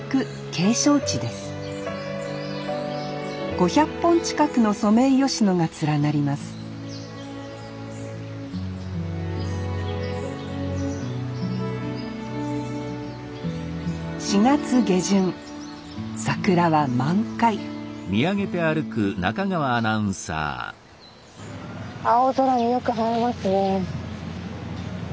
５００本近くのソメイヨシノが連なります４月下旬桜は満開青空によく映えますね。